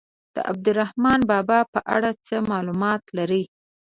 د عبدالرحمان بابا په اړه څه معلومات لرئ.